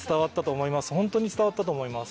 ホントに伝わったと思います。